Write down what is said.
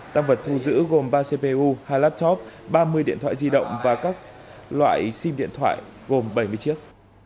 tăng vật thu giữ gồm ba cpu hai laptop ba mươi điện thoại di động và các loại sim điện thoại gồm bảy mươi chiếc